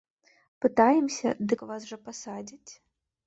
Пытаемся, дык вас жа пасадзяць?!